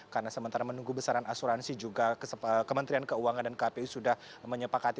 karena sementara menunggu besaran asuransi juga kementerian keuangan dan kpu sudah menyepakati